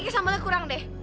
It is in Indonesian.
sambalnya kurang deh